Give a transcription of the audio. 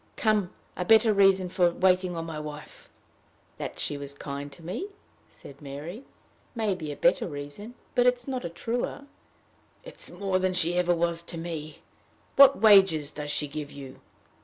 Come, a better reason for waiting on my wife?" "That she was kind to me," said Mary, "may be a better reason, but it is not a truer." "It's more than ever she was to me! What wages does she give you?"